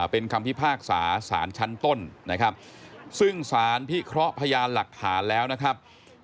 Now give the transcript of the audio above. เป็นคำพิพากษาสารชั้นต้นนะครับซึ่งสารพิเคราะห์พยานหลักฐานแล้วนะครับ